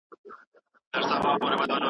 نصيب روان دی زه بندي ورسره ځمه